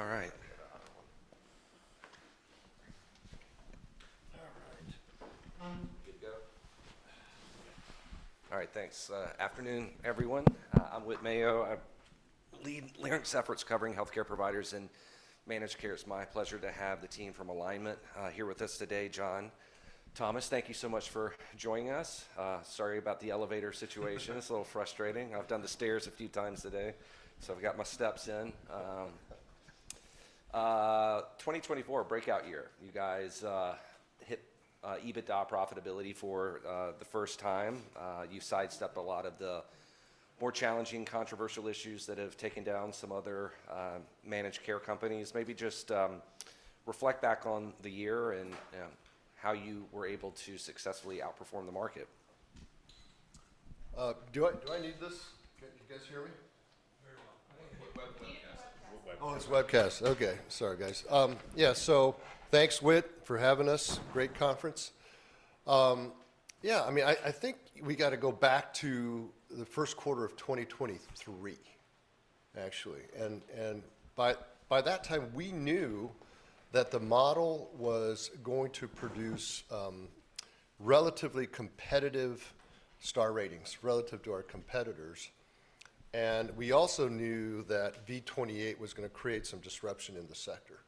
All right. All right. You good to go? All right, thanks. Afternoon, everyone. I'm Whit Mayo. I lead Leerink's efforts covering healthcare providers and managed care. It's my pleasure to have the team from Alignment here with us today, John, Thomas, thank you so much for joining us. Sorry about the elevator situation. It's a little frustrating. I've done the stairs a few times today, so I've got my steps in. 2024, breakout year. You guys hit EBITDA profitability for the first time. You've sidestepped a lot of the more challenging, controversial issues that have taken down some other managed care companies. Maybe just reflect back on the year and how you were able to successfully outperform the market. Do I need this? Can you guys hear me? Very well. Whit Webcast. Oh, it's Webcast. Okay. Sorry, guys. Yeah, so thanks, Whit, for having us. Great conference. Yeah, I mean, I think we got to go back to the first quarter of 2023, actually. And by that time, we knew that the model was going to produce relatively competitive Star Ratings relative to our competitors. And we also knew that V28 was going to create some disruption in the sector.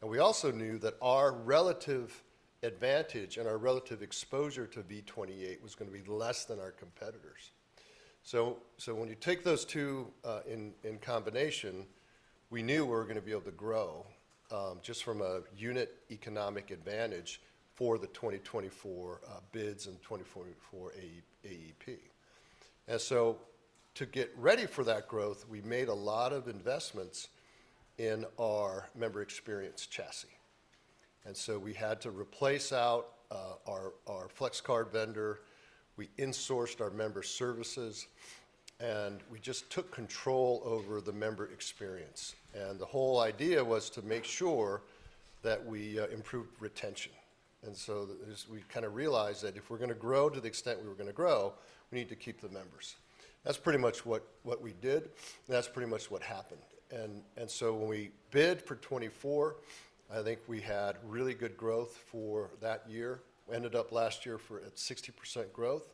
And we also knew that our relative advantage and our relative exposure to V28 was going to be less than our competitors. So when you take those two in combination, we knew we were going to be able to grow just from a unit economic advantage for the 2024 bids and 2024 AEP. And so to get ready for that growth, we made a lot of investments in our member experience chassis. We had to replace out our Flex Card vendor. We insourced our member services, and we just took control over the member experience. The whole idea was to make sure that we improved retention. We kind of realized that if we're going to grow to the extent we were going to grow, we need to keep the members. That's pretty much what we did, and that's pretty much what happened. When we bid for 2024, I think we had really good growth for that year. We ended up last year at 60% growth.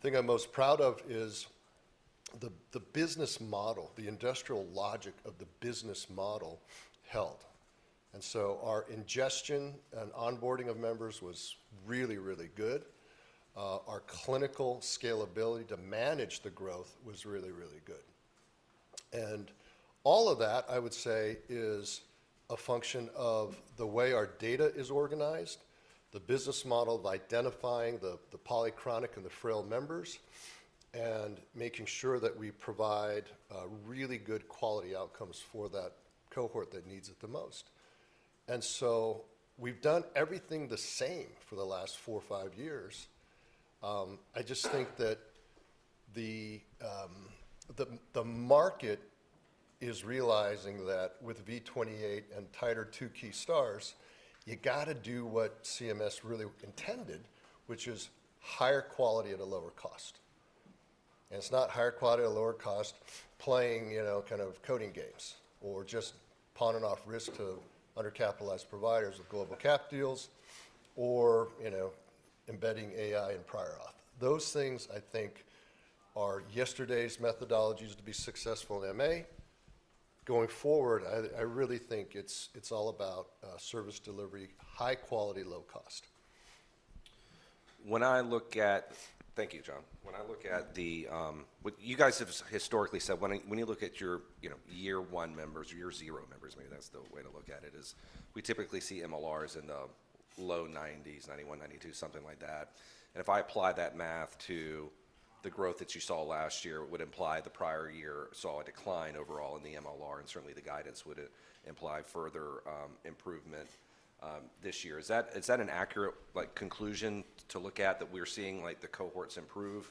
The thing I'm most proud of is the business model, the industrial logic of the business model held. Our ingestion and onboarding of members was really, really good. Our clinical scalability to manage the growth was really, really good. All of that, I would say, is a function of the way our data is organized, the business model of identifying the polychronic and the frail members, and making sure that we provide really good quality outcomes for that cohort that needs it the most. We have done everything the same for the last four or five years. I just think that the market is realizing that with V28 and tighter Tukey Stars, you have to do what CMS really intended, which is higher quality at a lower cost. It is not higher quality at a lower cost playing kind of coding games or just pawning off risk to undercapitalized providers with global cap deals or embedding AI and prior auth. Those things, I think, are yesterday's methodologies to be successful in MA. Going forward, I really think it is all about service delivery, high quality, low cost. When I look at—thank you, John. When I look at the—you guys have historically said when you look at your year one members, year zero members, maybe that's the way to look at it, is we typically see MLRs in the low 90s, 91, 92, something like that. If I apply that math to the growth that you saw last year, it would imply the prior year saw a decline overall in the MLR, and certainly the guidance would imply further improvement this year. Is that an accurate conclusion to look at that we're seeing the cohorts improve?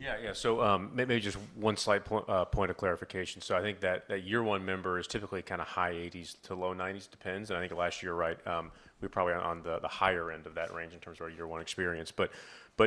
Yeah, yeah. Maybe just one slight point of clarification. I think that year one member is typically kind of high 80s to low 90s. Depends. I think last year, right, we were probably on the higher end of that range in terms of our year one experience.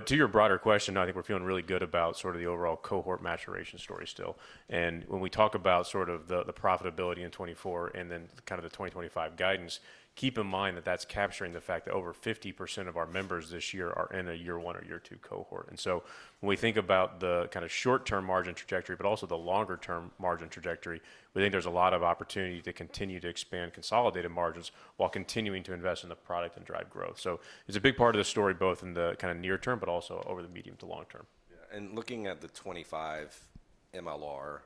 To your broader question, I think we're feeling really good about sort of the overall cohort maturation story still. When we talk about sort of the profitability in 2024 and then kind of the 2025 guidance, keep in mind that that's capturing the fact that over 50% of our members this year are in a year one or year two cohort. When we think about the kind of short-term margin trajectory, but also the longer-term margin trajectory, we think there's a lot of opportunity to continue to expand consolidated margins while continuing to invest in the product and drive growth. It is a big part of the story, both in the kind of near term, but also over the medium to long term. Yeah. Looking at the '25 MLR,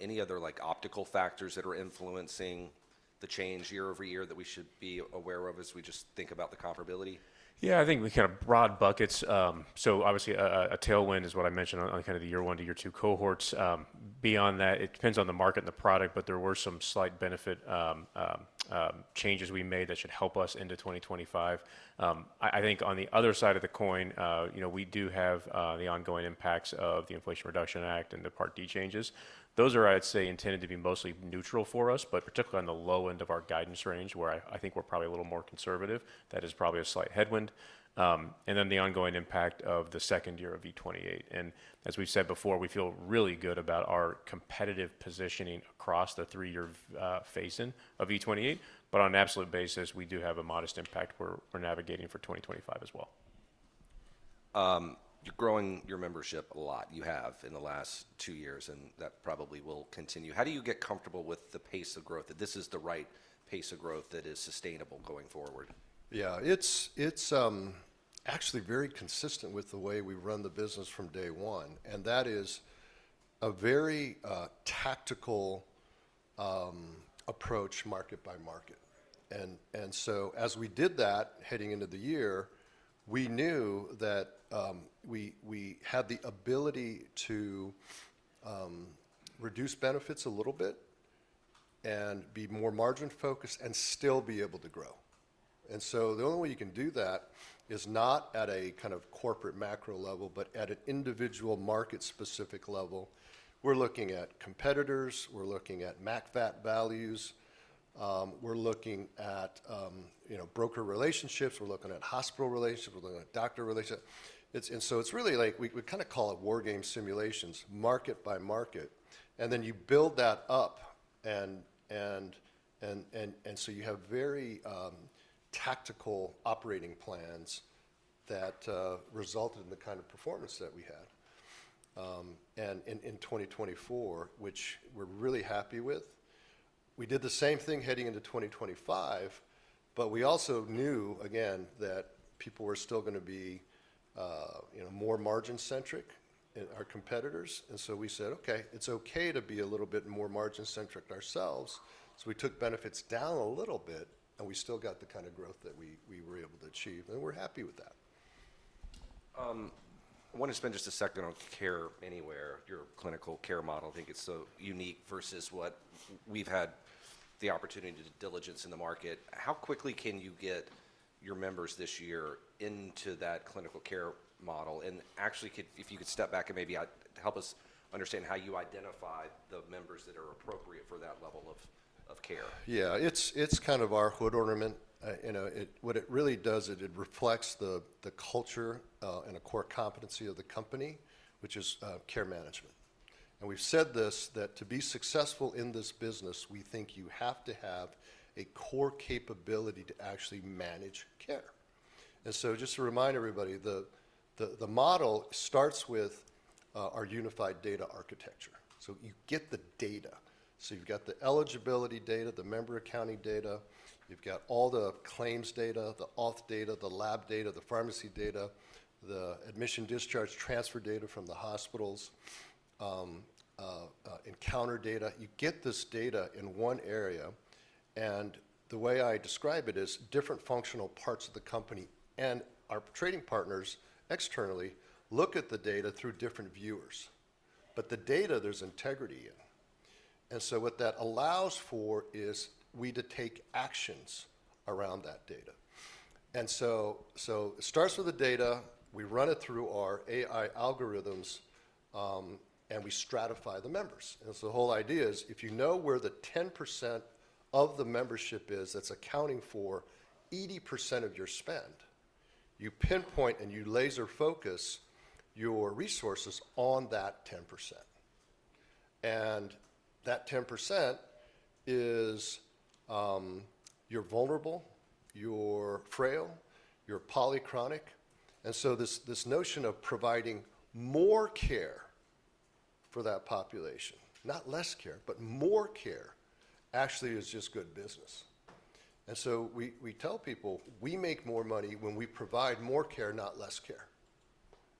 any other optical factors that are influencing the change year over year that we should be aware of as we just think about the comparability? Yeah, I think we kind of broad buckets. Obviously, a tailwind is what I mentioned on kind of the year one to year two cohorts. Beyond that, it depends on the market and the product, but there were some slight benefit changes we made that should help us into 2025. I think on the other side of the coin, we do have the ongoing impacts of the Inflation Reduction Act and the Part D changes. Those are, I'd say, intended to be mostly neutral for us, but particularly on the low end of our guidance range, where I think we're probably a little more conservative. That is probably a slight headwind. The ongoing impact of the second year of V28. As we've said before, we feel really good about our competitive positioning across the three-year phase-in of V28. On an absolute basis, we do have a modest impact we're navigating for 2025 as well. You're growing your membership a lot. You have in the last two years, and that probably will continue. How do you get comfortable with the pace of growth, that this is the right pace of growth that is sustainable going forward? Yeah, it's actually very consistent with the way we run the business from day one. That is a very tactical approach, market by market. As we did that heading into the year, we knew that we had the ability to reduce benefits a little bit and be more margin-focused and still be able to grow. The only way you can do that is not at a kind of corporate macro level, but at an individual market-specific level. We're looking at competitors. We're looking at MA county values. We're looking at broker relationships. We're looking at hospital relationships. We're looking at doctor relationships. It's really like we kind of call it war game simulations, market by market. Then you build that up. You have very tactical operating plans that resulted in the kind of performance that we had in 2024, which we're really happy with. We did the same thing heading into 2025, but we also knew, again, that people were still going to be more margin-centric in our competitors. We said, "Okay, it's okay to be a little bit more margin-centric ourselves." We took benefits down a little bit, and we still got the kind of growth that we were able to achieve. We're happy with that. I want to spend just a second on Care Anywhere. Your clinical care model, I think it's so unique versus what we've had the opportunity to do diligence in the market. How quickly can you get your members this year into that clinical care model? Actually, if you could step back and maybe help us understand how you identify the members that are appropriate for that level of care. Yeah, it's kind of our hood ornament. What it really does is it reflects the culture and a core competency of the company, which is care management. And we've said this: that to be successful in this business, we think you have to have a core capability to actually manage care. Just to remind everybody, the model starts with our unified data architecture. You get the data. You've got the eligibility data, the member accounting data. You've got all the claims data, the auth data, the lab data, the pharmacy data, the admission discharge transfer data from the hospitals, encounter data. You get this data in one area. The way I describe it is different functional parts of the company and our trading partners externally look at the data through different viewers. The data there's integrity in. What that allows for is we to take actions around that data. It starts with the data. We run it through our AI algorithms, and we stratify the members. The whole idea is if you know where the 10% of the membership is that's accounting for 80% of your spend, you pinpoint and you laser focus your resources on that 10%. That 10% is you're vulnerable, you're frail, you're polychronic. This notion of providing more care for that population, not less care, but more care, actually is just good business. We tell people, "We make more money when we provide more care, not less care."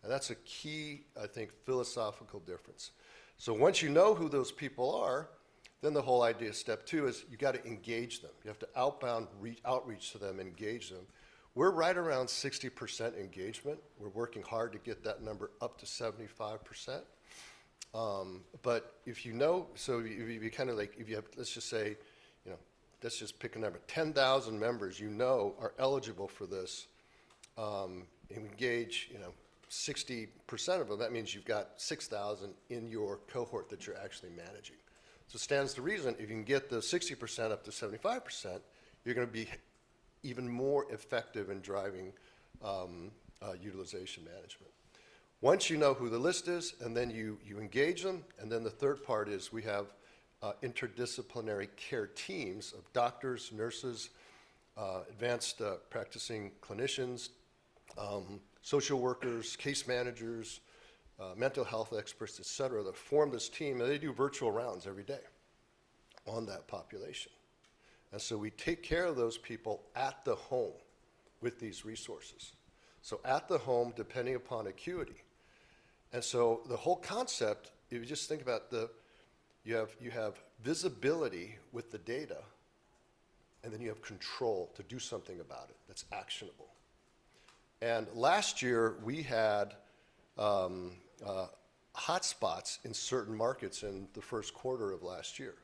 That's a key, I think, philosophical difference. Once you know who those people are, the whole idea, step two, is you got to engage them. You have to outbound outreach to them, engage them. We're right around 60% engagement. We're working hard to get that number up to 75%. If you know, if you kind of like, if you have, let's just say, let's just pick a number, 10,000 members you know are eligible for this, engage 60% of them, that means you've got 6,000 in your cohort that you're actually managing. It stands to reason, if you can get the 60% up to 75%, you're going to be even more effective in driving utilization management. Once you know who the list is, and then you engage them. The third part is we have interdisciplinary care teams of doctors, nurses, advanced practicing clinicians, social workers, case managers, mental health experts, et cetera, that form this team. They do virtual rounds every day on that population. We take care of those people at the home with these resources. At the home, depending upon acuity. The whole concept, if you just think about it, you have visibility with the data, and then you have control to do something about it that's actionable. Last year, we had hotspots in certain markets in the first quarter of last year.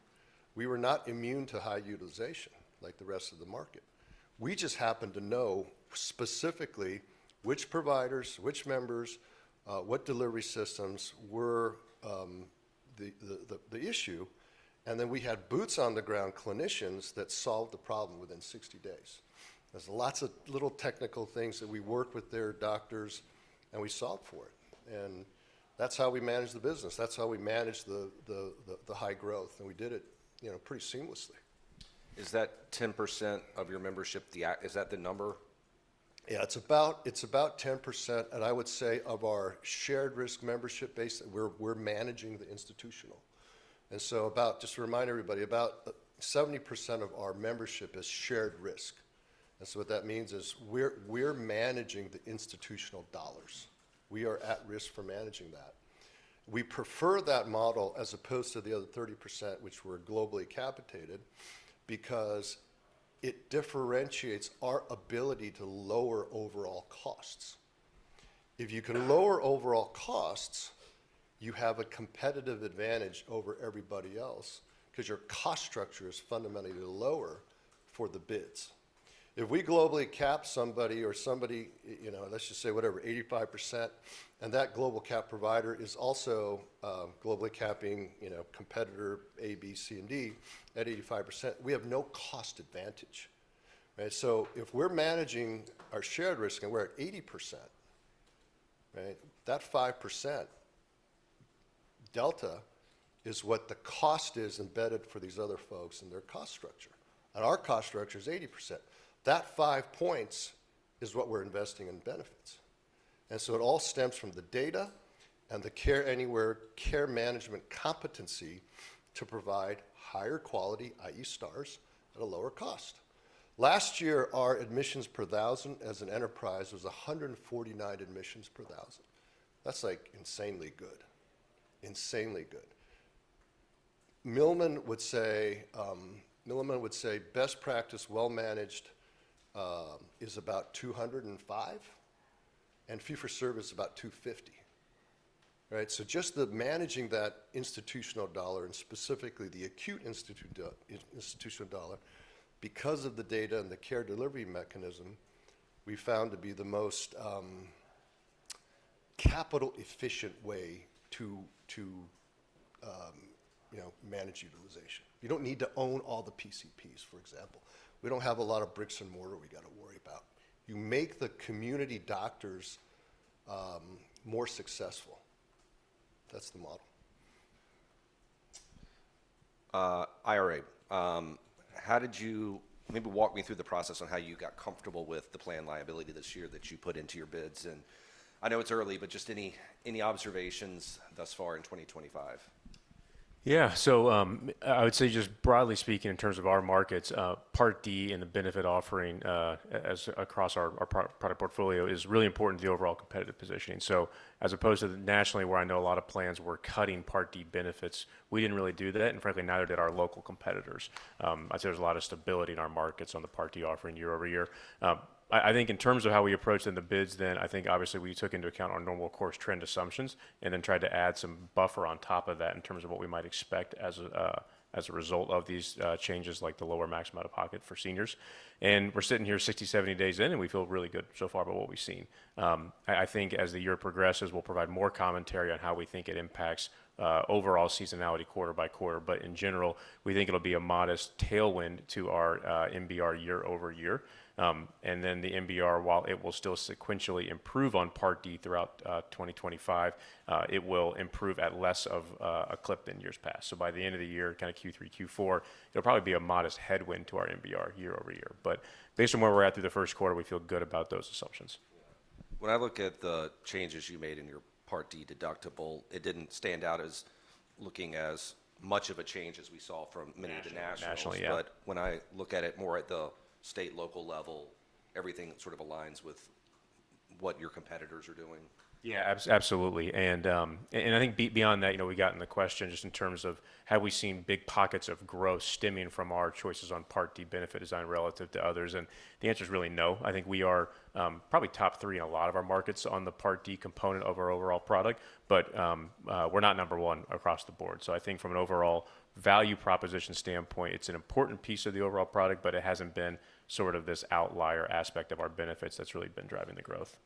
We were not immune to high utilization like the rest of the market. We just happened to know specifically which providers, which members, what delivery systems were the issue. We had boots on the ground clinicians that solved the problem within 60 days. There are lots of little technical things that we worked with their doctors, and we solved for it. That is how we managed the business. That is how we managed the high growth. We did it pretty seamlessly. Is that 10% of your membership, is that the number? Yeah, it's about 10%. And I would say of our shared risk membership, we're managing the institutional. And so just to remind everybody, about 70% of our membership is shared risk. And so what that means is we're managing the institutional dollars. We are at risk for managing that. We prefer that model as opposed to the other 30%, which were globally capitated, because it differentiates our ability to lower overall costs. If you can lower overall costs, you have a competitive advantage over everybody else because your cost structure is fundamentally lower for the bids. If we globally cap somebody or somebody, let's just say whatever, 85%, and that global cap provider is also globally capping competitor A, B, C, and D at 85%, we have no cost advantage. If we're managing our shared risk and we're at 80%, that 5% delta is what the cost is embedded for these other folks and their cost structure. Our cost structure is 80%. That 5 points is what we're investing in benefits. It all stems from the data and the Care Anywhere care management competency to provide higher quality, i.e., Stars at a lower cost. Last year, our admissions per thousand as an enterprise was 149 admissions per thousand. That's like insanely good. Insanely good. Milliman would say best practice well-managed is about 205, and fee for service about 250. Just managing that institutional dollar and specifically the acute institutional dollar, because of the data and the care delivery mechanism, we found to be the most capital-efficient way to manage utilization. You don't need to own all the PCPs, for example. We don't have a lot of bricks and mortar we got to worry about. You make the community doctors more successful. That's the model. IRA, how did you maybe walk me through the process on how you got comfortable with the planned liability this year that you put into your bids? I know it's early, but just any observations thus far in 2025? Yeah. I would say just broadly speaking, in terms of our markets, Part D and the benefit offering across our product portfolio is really important to the overall competitive positioning. As opposed to nationally, where I know a lot of plans were cutting Part D benefits, we did not really do that. Frankly, neither did our local competitors. I would say there is a lot of stability in our markets on the Part D offering year over year. I think in terms of how we approached in the bids, I think obviously we took into account our normal course trend assumptions and then tried to add some buffer on top of that in terms of what we might expect as a result of these changes, like the lower maximum out of pocket for seniors. We're sitting here 60-70 days in, and we feel really good so far about what we've seen. I think as the year progresses, we'll provide more commentary on how we think it impacts overall seasonality quarter by quarter. In general, we think it'll be a modest tailwind to our MBR year over year. The MBR, while it will still sequentially improve on Part D throughout 2025, will improve at less of a clip than years past. By the end of the year, kind of Q3, Q4, there will probably be a modest headwind to our MBR year over year. Based on where we're at through the first quarter, we feel good about those assumptions. When I look at the changes you made in your Part D deductible, it did not stand out as looking as much of a change as we saw from many of the nationals. When I look at it more at the state-local level, everything sort of aligns with what your competitors are doing. Yeah, absolutely. I think beyond that, we got in the question just in terms of have we seen big pockets of growth stemming from our choices on Part D benefit design relative to others? The answer is really no. I think we are probably top three in a lot of our markets on the Part D component of our overall product, but we're not number one across the board. I think from an overall value proposition standpoint, it's an important piece of the overall product, but it hasn't been sort of this outlier aspect of our benefits that's really been driving the growth.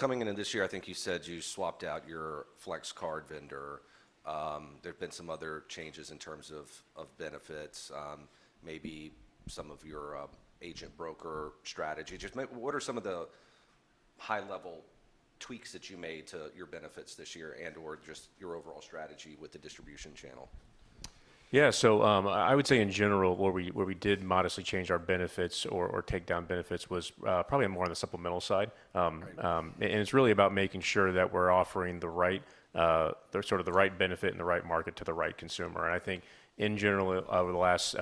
Coming into this year, I think you said you swapped out your Flex Card vendor. There've been some other changes in terms of benefits, maybe some of your agent broker strategy. Just what are some of the high-level tweaks that you made to your benefits this year and/or just your overall strategy with the distribution channel? Yeah. I would say in general, where we did modestly change our benefits or take down benefits was probably more on the supplemental side. It is really about making sure that we're offering the right sort of the right benefit in the right market to the right consumer. I think in general, over the last,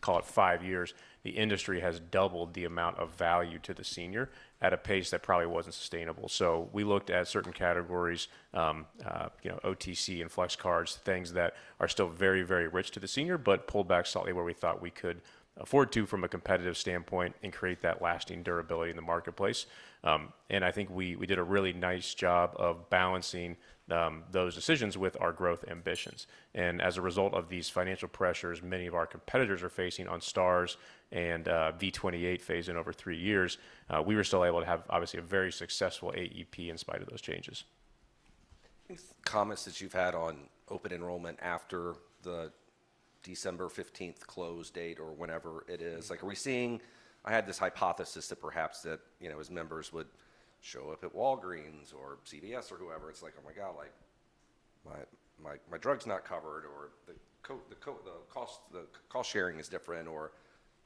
call it five years, the industry has doubled the amount of value to the senior at a pace that probably was not sustainable. We looked at certain categories, OTC and flex cards, things that are still very, very rich to the senior, but pulled back slightly where we thought we could afford to from a competitive standpoint and create that lasting durability in the marketplace. I think we did a really nice job of balancing those decisions with our growth ambitions. As a result of these financial pressures, many of our competitors are facing on Stars and V28 phase in over three years, we were still able to have obviously a very successful AEP in spite of those changes. Thanks. Comments that you've had on open enrollment after the December 15th close date or whenever it is? Are we seeing, I had this hypothesis that perhaps that as members would show up at Walgreens or CVS or whoever, it's like, "Oh my God, my drug's not covered," or, "The cost sharing is different," or,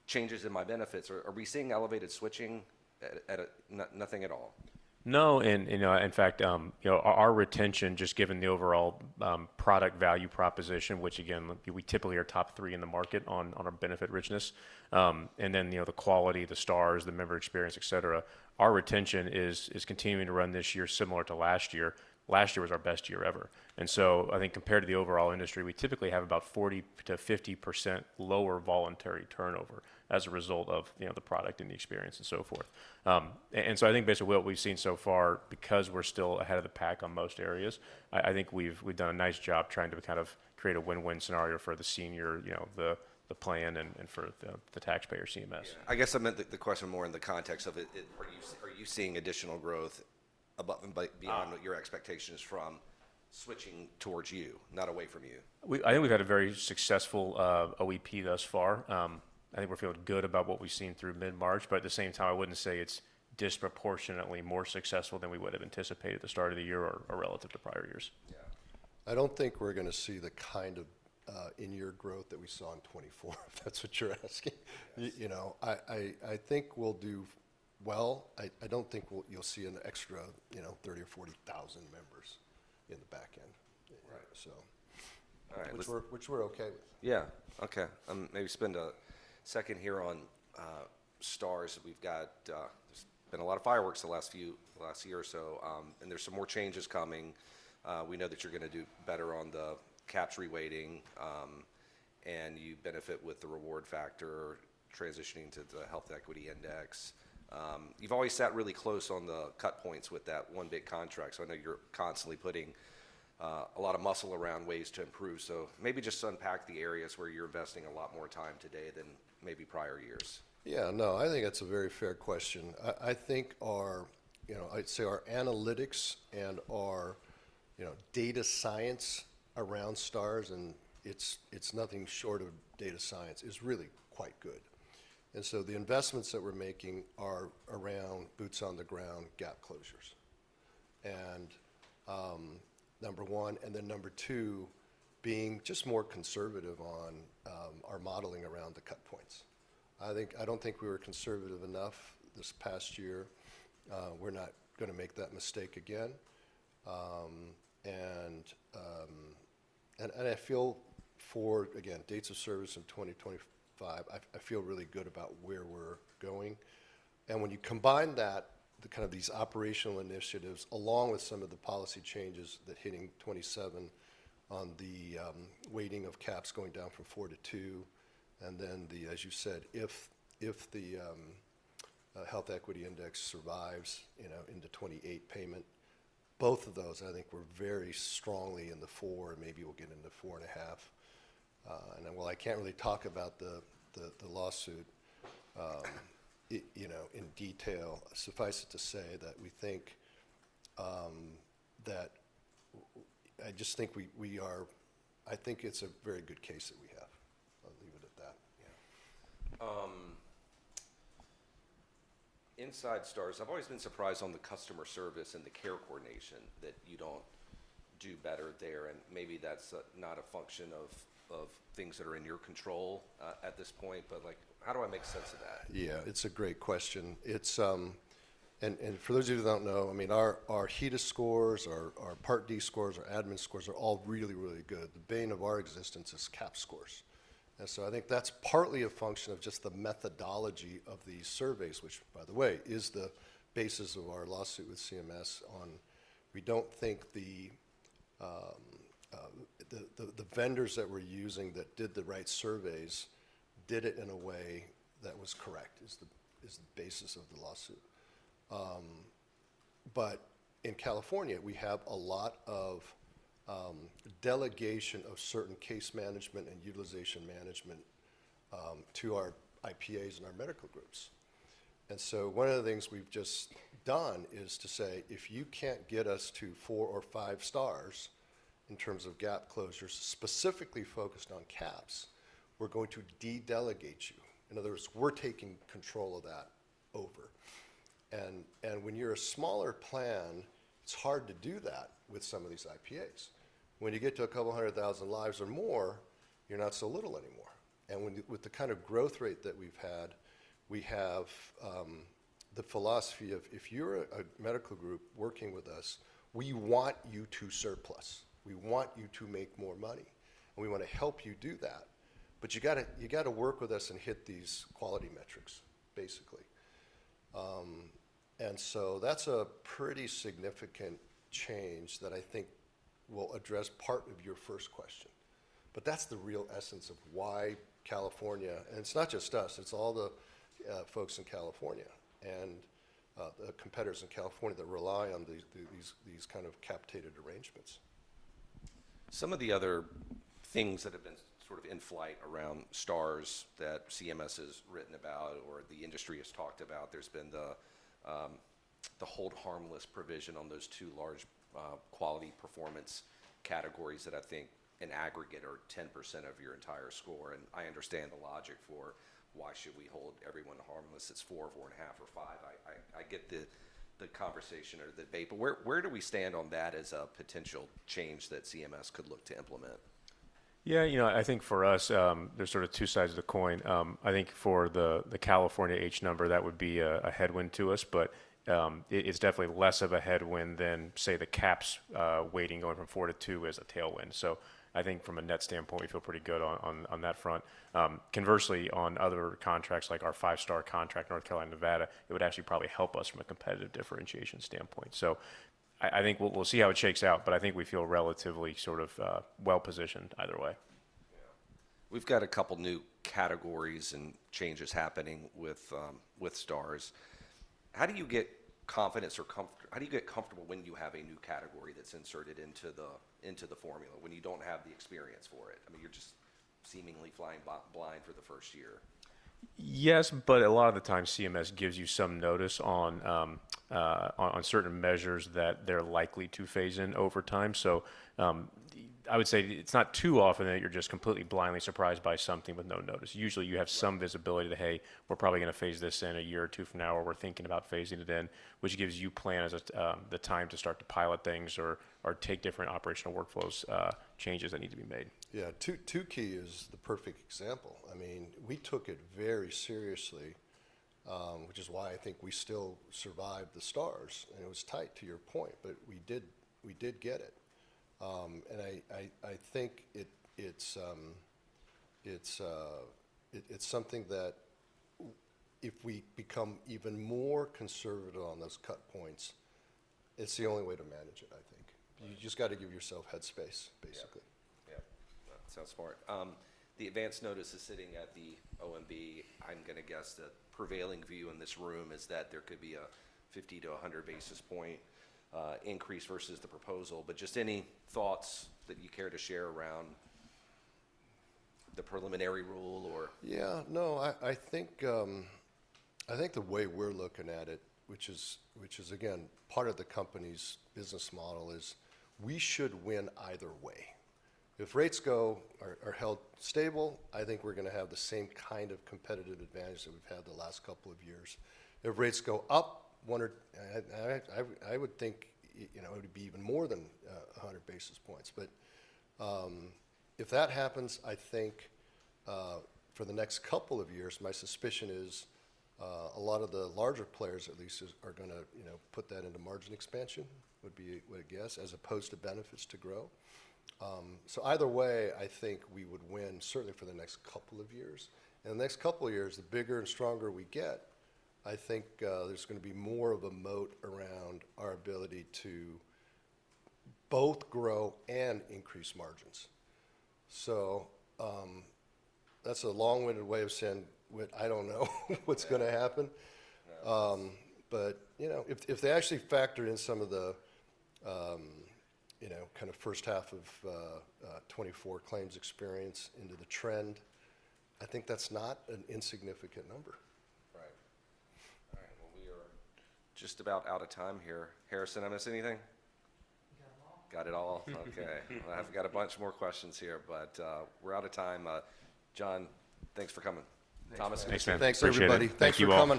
"Changes in my benefits." Are we seeing elevated switching at nothing at all? No. In fact, our retention, just given the overall product value proposition, which again, we typically are top three in the market on our benefit richness, and then the quality, the Stars, the member experience, et cetera, our retention is continuing to run this year similar to last year. Last year was our best year ever. I think compared to the overall industry, we typically have about 40-50% lower voluntary turnover as a result of the product and the experience and so forth. I think basically what we've seen so far, because we're still ahead of the pack on most areas, I think we've done a nice job trying to kind of create a win-win scenario for the senior, the plan, and for the taxpayer CMS. I guess I meant the question more in the context of are you seeing additional growth beyond your expectations from switching towards you, not away from you? I think we've had a very successful OEP thus far. I think we're feeling good about what we've seen through mid-March. At the same time, I wouldn't say it's disproportionately more successful than we would have anticipated at the start of the year or relative to prior years. Yeah. I do not think we are going to see the kind of in-year growth that we saw in 2024, if that is what you are asking. I think we will do well. I do not think you will see an extra 30,000 or 40,000 members in the back end, which we are okay with. Yeah. Okay. Maybe spend a second here on Stars. We've got there's been a lot of fireworks the last year or so, and there's some more changes coming. We know that you're going to do better on the CAHPS reweighting, and you benefit with the Reward Factor transitioning to the Health Equity Index. You've always sat really close on the cut points with that one big contract. I know you're constantly putting a lot of muscle around ways to improve. Maybe just unpack the areas where you're investing a lot more time today than maybe prior years. Yeah. No, I think that's a very fair question. I think our, I'd say, our analytics and our data science around Stars, and it's nothing short of data science, is really quite good. The investments that we're making are around boots on the ground gap closures, number one. Number two, being just more conservative on our modeling around the cut points. I don't think we were conservative enough this past year. We're not going to make that mistake again. I feel for, again, dates of service in 2025, I feel really good about where we're going. When you combine that, kind of these operational initiatives along with some of the policy changes that hitting 2027 on the weighting of CAHPS going down from four to two, and then, as you said, if the Health Equity Index survives into 2028 payment, both of those, I think, were very strongly in the four, and maybe we'll get into four and a half. While I can't really talk about the lawsuit in detail, suffice it to say that we think that I just think we are, I think it's a very good case that we have. I'll leave it at that. Inside Stars, I've always been surprised on the customer service and the care coordination that you don't do better there. Maybe that's not a function of things that are in your control at this point, but how do I make sense of that? Yeah, it's a great question. And for those of you who don't know, I mean, our HEDIS scores, our Part D scores, our admin scores are all really, really good. The bane of our existence is CAHPS scores. And so I think that's partly a function of just the methodology of these surveys, which, by the way, is the basis of our lawsuit with CMS on we don't think the vendors that we're using that did the right surveys did it in a way that was correct is the basis of the lawsuit. But in California, we have a lot of delegation of certain case management and utilization management to our IPAs and our medical groups. One of the things we've just done is to say, "If you can't get us to four or five Stars in terms of gap closures specifically focused on CAHPS, we're going to de-delegate you." In other words, we're taking control of that over. When you're a smaller plan, it's hard to do that with some of these IPAs. When you get to a couple hundred thousand lives or more, you're not so little anymore. With the kind of growth rate that we've had, we have the philosophy of, "If you're a medical group working with us, we want you to surplus. We want you to make more money. We want to help you do that. But you got to work with us and hit these quality metrics, basically." That is a pretty significant change that I think will address part of your first question. That is the real essence of why California, and it's not just us. It's all the folks in California and the competitors in California that rely on these kind of capitated arrangements. Some of the other things that have been sort of in flight around Stars that CMS has written about or the industry has talked about, there's been the hold harmless provision on those two large quality performance categories that I think in aggregate are 10% of your entire score. I understand the logic for why should we hold everyone harmless? It's four, four and a half, or five. I get the conversation or the debate. Where do we stand on that as a potential change that CMS could look to implement? Yeah. You know, I think for us, there's sort of two sides of the coin. I think for the California H number, that would be a headwind to us, but it's definitely less of a headwind than, say, the CAHPS weighting going from four to two as a tailwind. I think from a net standpoint, we feel pretty good on that front. Conversely, on other contracts like our five-star contract, North Carolina, Nevada, it would actually probably help us from a competitive differentiation standpoint. I think we'll see how it shakes out, but I think we feel relatively sort of well-positioned either way. We've got a couple new categories and changes happening with Stars. How do you get confidence or how do you get comfortable when you have a new category that's inserted into the formula when you don't have the experience for it? I mean, you're just seemingly flying blind for the first year. Yes, but a lot of the time, CMS gives you some notice on certain measures that they're likely to phase in over time. I would say it's not too often that you're just completely blindly surprised by something with no notice. Usually, you have some visibility that, "Hey, we're probably going to phase this in a year or two from now," or, "We're thinking about phasing it in," which gives you as the plan the time to start to pilot things or take different operational workflow changes that need to be made. Yeah. Tukey is the perfect example. I mean, we took it very seriously, which is why I think we still survived the Stars. It was tight to your point, but we did get it. I think it's something that if we become even more conservative on those cut points, it's the only way to manage it, I think. You just got to give yourself head space, basically. Yeah. Yeah. That sounds smart. The Advance Notice is sitting at the OMB. I'm going to guess the prevailing view in this room is that there could be a 50-100 basis point increase versus the proposal. Just any thoughts that you care to share around the preliminary rule or? Yeah. No, I think the way we're looking at it, which is, again, part of the company's business model, is we should win either way. If rates go or held stable, I think we're going to have the same kind of competitive advantage that we've had the last couple of years. If rates go up, I would think it would be even more than 100 basis points. If that happens, I think for the next couple of years, my suspicion is a lot of the larger players at least are going to put that into margin expansion, would be a guess, as opposed to benefits to grow. Either way, I think we would win certainly for the next couple of years. In the next couple of years, the bigger and stronger we get, I think there is going to be more of a moat around our ability to both grow and increase margins. That is a long-winded way of saying, "I do not know what is going to happen." If they actually factor in some of the kind of first half of 2024 claims experience into the trend, I think that is not an insignificant number. Right. All right. We are just about out of time here. Harrison, I missed anything? We got them all. Got it all? Okay. I've got a bunch more questions here, but we're out of time. John, thanks for coming. Thomas, thanks for everybody. Thank you all.